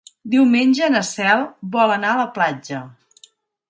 Diumenge na Cel vol anar a la platja.